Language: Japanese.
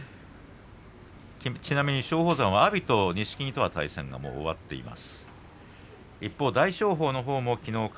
松鳳山は阿炎、錦木との対戦が終わっています。